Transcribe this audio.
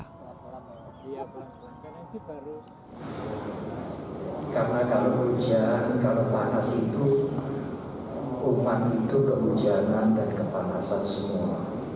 karena kalau hujan kalau panas itu umat itu kehujanan dan kepanasan semua